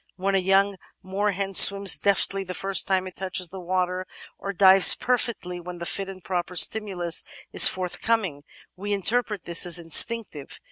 When a young moorhen swims deftly the first time it touches the water, or dives perfectly when the fit and proper stimulus is forthcoming, we interpret this as instinctive.